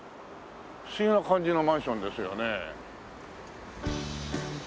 不思議な感じのマンションですよね。